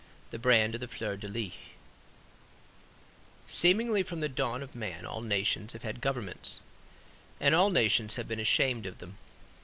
THE BRAND OF THE FLEUR DE LIS Seemingly from the dawn of man all nations have had governments; and all nations have been ashamed of them.